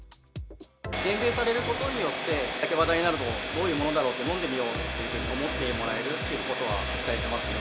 減税されることによって、話題になると、どういうものだろうって、飲んでみようって思ってもらえるということは、期待してますね。